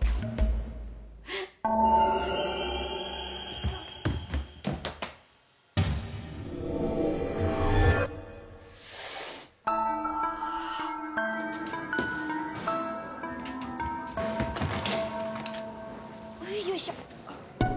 えっ？よいしょ。